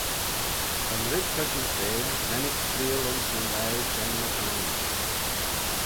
Ta'n red ta shin feme, mennick freayll ayns nyn laue shen ny t'ain.